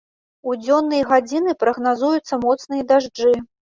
У дзённыя гадзіны прагназуюцца моцныя дажджы.